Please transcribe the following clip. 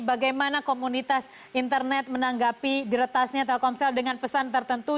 bagaimana komunitas internet menanggapi diretasnya telkomsel dengan pesan tertentu